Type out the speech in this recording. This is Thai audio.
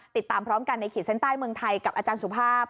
ติดตามพร้อมกันในขีดเส้นใต้เมืองไทยกับอาจารย์สุภาพ